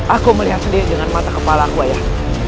aku melihat sendiri dengan mata kepala aku ayah